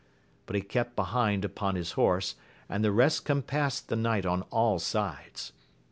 but he kept behind upon his horse, and the rest compassed the knight on all sides.